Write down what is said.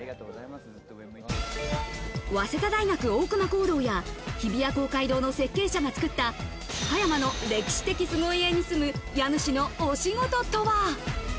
早稲田大学大隈講堂や日比谷公会堂の設計者が作った葉山の歴史的凄家に住む家主のお仕事とは？